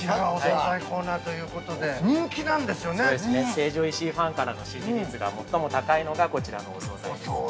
成城石井ファンからの支持率が最も高いのがこちらのお総菜です。